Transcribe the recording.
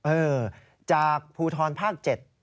เออจากภูทรภาค๗